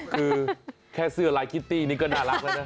คือแค่เสื้อลายคิตตี้นี่ก็น่ารักแล้วนะ